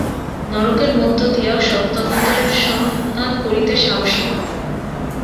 নরকের মধ্য দিয়াও সত্যানুসন্ধান করিতে সাহসী হও।